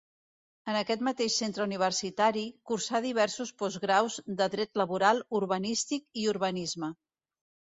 En aquest mateix centre universitari, cursà diversos postgraus de Dret Laboral, Urbanístic i Urbanisme.